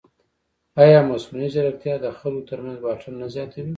ایا مصنوعي ځیرکتیا د خلکو ترمنځ واټن نه زیاتوي؟